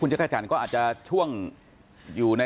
ลองฟังเสียงช่วงนี้ดูค่ะ